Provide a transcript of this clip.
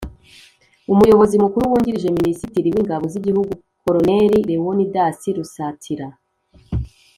umuyobozi mukuru wungirije minisitiri w'ingabo z'igihugu koloneli lewonidasi rusatira,